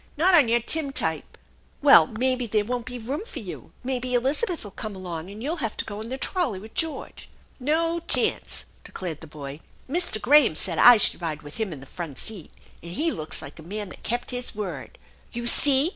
" Not on your tintype !"" Well, maybe there won't be room for you. Maybe Eliza beth'll come along, and you'll have to go in the trolley with George." " No chance !" declared the boy. " Mr. Graham said I should ride with him 'n the front seat, and he looks like a man that kept his word." " You see